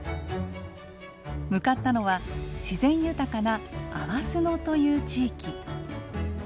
向かったのは自然豊かな粟巣野という地域。